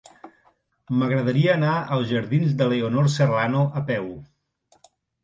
M'agradaria anar als jardins de Leonor Serrano a peu.